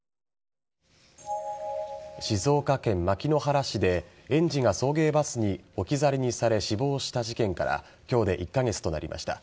静岡県牧之原市で園児が送迎バスに置き去りにされ死亡した事件から今日で１カ月となりました。